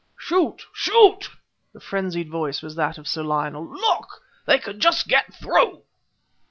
"Shoot! shoot!" the frenzied voice was that of Sir Lionel "Look! they can just get through!